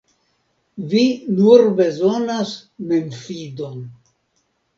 Vi nur bezonas memfidon.